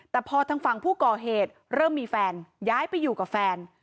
แต่พอทางฝั่งผู้ก่อเหตุเริ่มมีแฟนย้ายไปอยู่กับแฟน